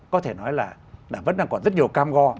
có thể nói là vẫn đang còn rất nhiều cam go